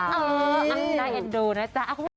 เออได้เอ็นดูนะจ้า